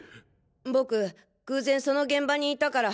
僕偶然その現場にいたから。